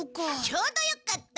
ちょうどよかった。